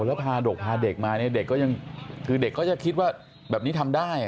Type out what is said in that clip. วันนี้พาเด็กมาเด็กก็คิดว่าแบบนี้ทำได้